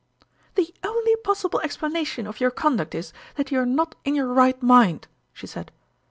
" The only possible explanation of your con duct is, that you are not in your right mind !" she said.